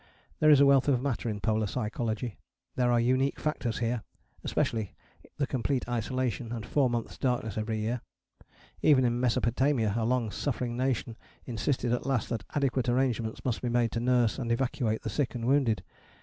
There is a wealth of matter in polar psychology: there are unique factors here, especially the complete isolation, and four months' darkness every year. Even in Mesopotamia a long suffering nation insisted at last that adequate arrangements must be made to nurse and evacuate the sick and wounded.